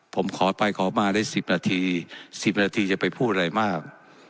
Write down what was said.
ผมขอไปขอมาได้๑๐นาที๑๐นาทีจะไปพูดอะไรมาก